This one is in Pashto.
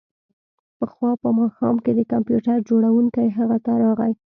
پخوا په ماښام کې د کمپیوټر جوړونکی هغه ته راغی